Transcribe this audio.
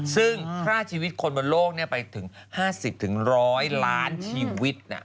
ซึ่งฆ่าชีวิตคนบนโลกไปถึง๕๐๑๐๐ล้านชีวิต